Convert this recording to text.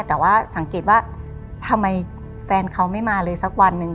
แต่ว่าสังเกตว่าทำไมแฟนเขาไม่มาเลยสักวันหนึ่ง